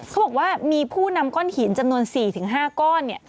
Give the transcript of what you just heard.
เขาบอกว่ามีผู้นำก้อนหินจำนวน๔๕ก้อนเนี่ย